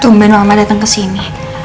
tumben mama datang kesini